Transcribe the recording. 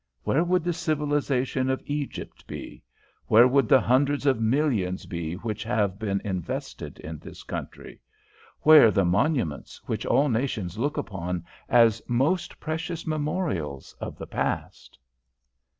Where would the civilisation of Egypt be? where would the hundreds of millions be which have been invested in this country? where the monuments which all nations look upon as most precious memorials of the past?"